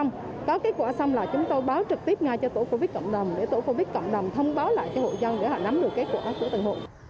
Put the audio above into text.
xong có kết quả xong là chúng tôi báo trực tiếp ngay cho tổ covid cộng đồng để tổ covid cộng đồng thông báo lại cho hội dân để là nắm được kết quả của thành phố